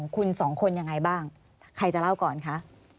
คุณสองคนยังไงบ้างใครจะเล่าก่อนคะ